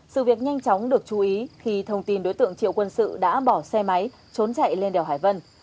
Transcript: sự việc nhanh chóng được chú ý khi thông tin đối tượng triệu quân sự đã bỏ xe máy trốn chạy lên đèo hải vân